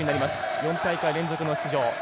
４大会連続の出場。